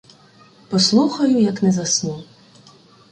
Послухаю, як не засну.